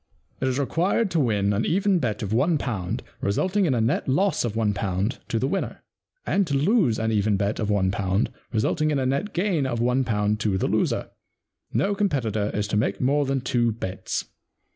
* It is required to win an even bet of one pound, resulting in a net loss of one pound to the winner ; and to lose an even bet of one pound resulting in a net gain of one pound to the loser. No competitor is to make more than two bets.'